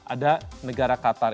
ada negara qatar